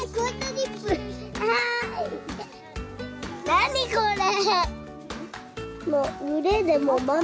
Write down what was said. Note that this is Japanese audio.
何これ！